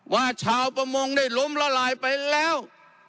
ชาวประมงได้ล้มละลายไปแล้ว